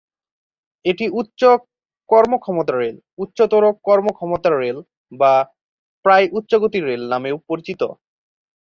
এটি উচ্চ-কর্মক্ষমতার রেল, উচ্চতর-কর্মক্ষমতার রেল, বা প্রায়-উচ্চ-গতির রেল, নামেও পরিচিত।